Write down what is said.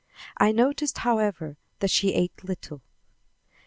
I noticed, however, that she ate little.